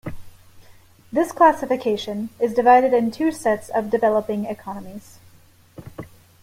This classification is divided in two set of developing economies.